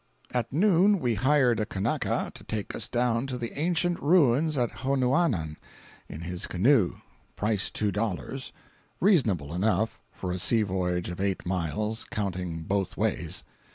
At noon, we hired a Kanaka to take us down to the ancient ruins at Honaunau in his canoe—price two dollars—reasonable enough, for a sea voyage of eight miles, counting both ways.